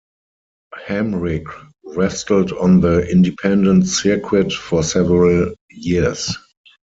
Hamrick wrestled on the independent circuit for several years.